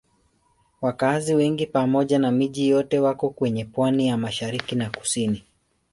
Wakazi wengi pamoja na miji yote wako kwenye pwani ya mashariki na kusini.